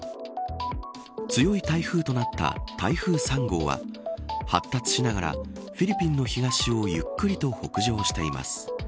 強い台風となった台風３号は発達しながらフィリピンの東をゆっくりと北上しています。